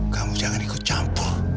kamu jangan ikut campur